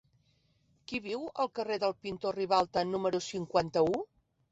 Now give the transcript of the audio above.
Qui viu al carrer del Pintor Ribalta número cinquanta-u?